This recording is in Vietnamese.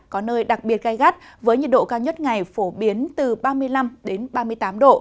có nơi đặc biệt gai gắt với nhiệt độ cao nhất ngày phổ biến từ ba mươi năm ba mươi tám độ